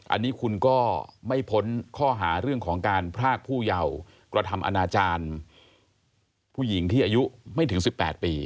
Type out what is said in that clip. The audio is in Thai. อันนี้คุณก็ไม่พ้นข้อหาเรื่องของการพรากผู้เยาว์กระทำอนาจารย์ผู้หญิงที่อายุไม่ถึง๑๘ปี